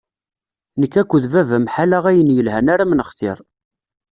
Nekk akked baba-m ḥala ayen yelhan ara m-nextir.